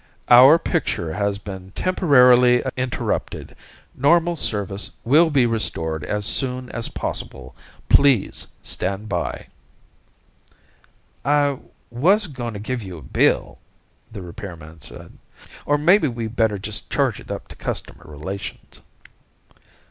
OUR PICTURE HAS BEEN TEMPORARILY INTERRUPTED. NORMAL SERVICE WILL BE RESTORED AS SOON AS POSSIBLE. PLEASE STAND BY. "I was going to give you a bill," the repairman said. "Only maybe we better just charge it up to customer relations."